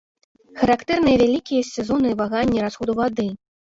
Характэрныя вялікія сезонныя ваганні расходу вады.